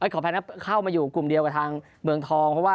ขอแทนครับเข้ามาอยู่กลุ่มเดียวกับทางเมืองทอง